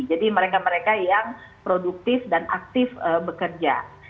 jadi mereka mereka yang produktif dan aktif bekerja